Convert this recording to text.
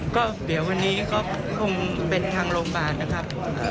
ก็เดี๋ยววันนี้ก็คงเป็นทางโรงพยาบาลนะครับ